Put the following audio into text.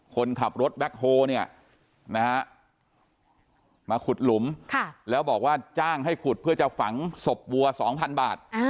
คนขับรถแบ็คโฮเนี่ยนะฮะมาขุดหลุมแล้วบอกว่าจ้างให้ขุดเพื่อจะฝังศพวัว๒๐๐บาท